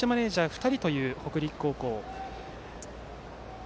２人という北陸高校。